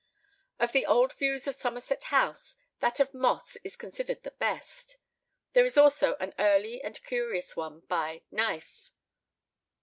Of the old views of Somerset House, that of Moss is considered the best. There is also an early and curious one by Knyff.